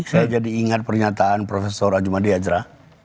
saya jadi ingat pernyataan profesor ajumadi ajra